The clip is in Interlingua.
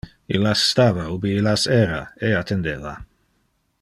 Illas stava ubi illas era e attendeva.